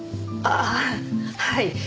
ああはい。